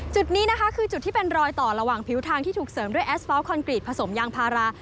จุดนี้นะคะคือจุดที่เป็นรอยต่อระหว่างผิวทางที่ถูกเสริมด้วยแอสปอลคอนกรีตผสมยางพารา